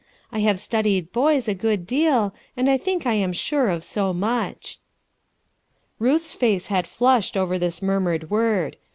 I have studied boys a good deal, and I think I am sure of so much." Ruth's face had flushed over this murmured word.